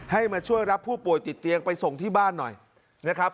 มาช่วยรับผู้ป่วยติดเตียงไปส่งที่บ้านหน่อยนะครับ